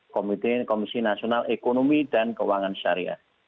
komisi nasional ekonomi dan keuangan syariah